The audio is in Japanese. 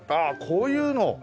こういうのを。